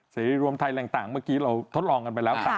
สีรวมไทยแรงต่างเมื่อกี้เราทดลองกันไปแล้ว